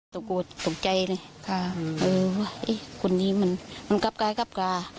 ตกโกรธตกใจเลยค่ะเออไอ้คนนี้มันกลับกลายกลับกลา